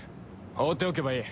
放っておけばいい。